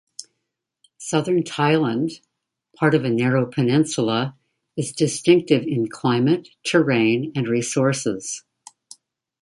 Southern Thailand, part of a narrow peninsula, is distinctive in climate, terrain, and resources.